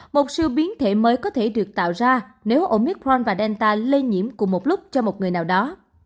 một sự biến thể mới có thể được tạo ra nếu omicron và delta lây nhiễm cùng một lúc cho một người nào đó